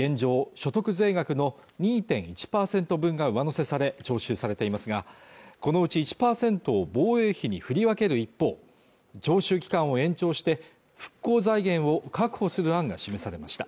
所得税額の２．１％分が上乗せされ徴収されていますがこのうち１％を防衛費に振り分ける一方徴収期間を延長して復興財源を確保する案が示されました